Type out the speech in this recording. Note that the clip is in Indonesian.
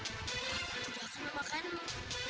aku tidak akan memakanmu